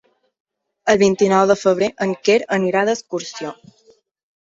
El vint-i-nou de febrer en Quer anirà d'excursió.